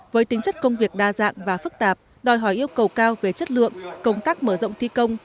với tính chất công việc đa dạng và phức tạp đòi hỏi yêu cầu cao về chất lượng công tác mở rộng thi công